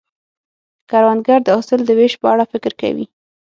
کروندګر د حاصل د ویش په اړه فکر کوي